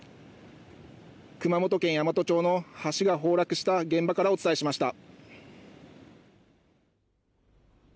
熊本県山都町の橋が崩落した現場からお伝えしました。